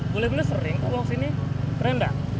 boleh boleh sering kalau bawa sini keren bang